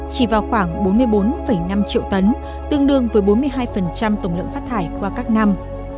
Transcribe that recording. chỉ vào khoảng bốn mươi bốn năm triệu tấn tương đương với bốn mươi hai tổng lượng phát thải qua các năm